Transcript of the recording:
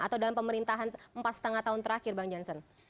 atau dalam pemerintahan empat lima tahun terakhir bang jansen